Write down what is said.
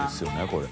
これ。